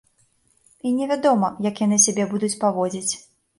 І невядома, як яны сябе будуць паводзіць.